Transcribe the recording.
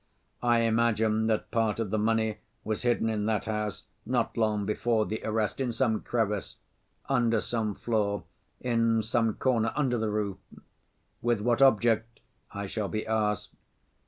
I imagine that part of the money was hidden in that house, not long before the arrest, in some crevice, under some floor, in some corner, under the roof. With what object? I shall be asked.